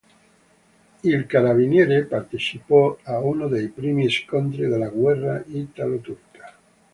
Il "Carabiniere" partecipò ad uno dei primi scontri della guerra italo-turca.